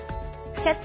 「キャッチ！